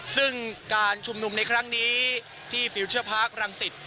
ซึ่งการชุมนุมในครั้งนี้ที่ฟิลเชอร์พาร์ครังสิต